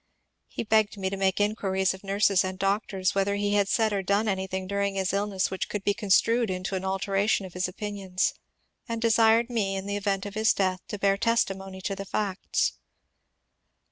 He begged me to make inquiries of nurses and doctors whether he had said or done anything during his illness which could be construed into an alteration of his opinions, and desired me, in the event of his death, to bear testimony to the facts.